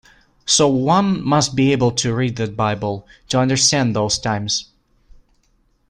So one must be able to read the Bible to understand those times.